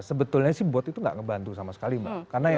sebetulnya sih robot itu gak ngebantu sama sekali mbak